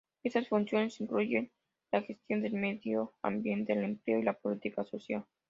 Estas funciones incluyen la gestión del medio ambiente, el empleo y la política social.